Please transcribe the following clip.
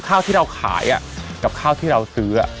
ข้าวที่เราขายกับข้าวที่เราซื้อ